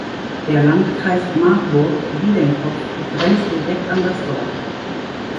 Der Landkreis Marburg-Biedenkopf grenzt direkt an das Dorf.